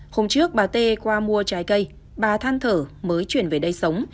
hôm trước bà tê qua mua trái cây bà than thở mới chuyển về đây sống